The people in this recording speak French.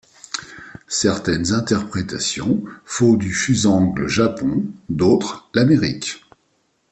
Certaines interprétations font du Fusang le Japon, d'autres, l'Amérique.